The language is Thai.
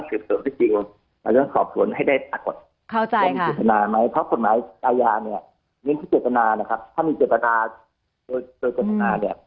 ซึ่งทางคุณศักดรหรือคุณศักดรจะอาจจะคิดตัวมุมหนึ่ง